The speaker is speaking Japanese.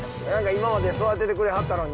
今まで育ててくれはったのに。